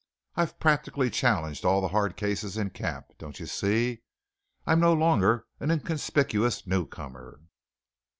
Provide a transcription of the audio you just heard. I've practically challenged all the hard cases in camp, don't you see? I'm no longer an inconspicuous newcomer.